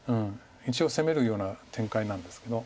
一応攻めるような展開なんですけど。